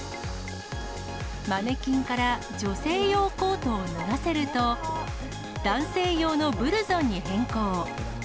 マネキンから女性用コートを脱がせると、男性用のブルゾンに変更。